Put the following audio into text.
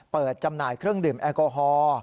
จำหน่ายเครื่องดื่มแอลกอฮอล์